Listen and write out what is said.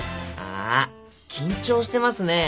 あ緊張してますね。